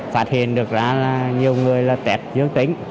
phát hiện được ra là nhiều người là tẹp dương tính